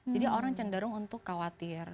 jadi orang cenderung untuk khawatir